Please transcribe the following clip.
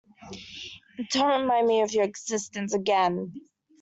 And don’t remind me of your existence again.